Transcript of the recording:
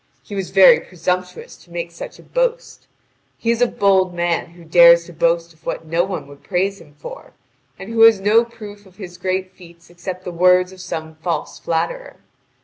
He was very presumptuous to make such a boast. He is a bold man who dares to boast of what no one would praise him for, and who has no proof of his great feats except the words of some false flatterer.